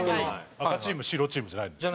赤チーム白チームじゃないんですよ。